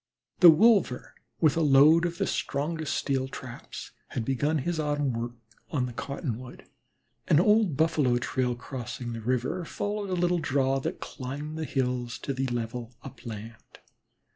The wolver, with a load of the strongest steel traps, had begun his autumn work on the 'Cottonwood.' An old Buffalo trail crossing the river followed a little draw that climbed the hills to the level upland.